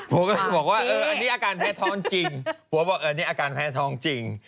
ผู้ก็บอกว่าเอออันนี้อาการแพทย์ท้องจริง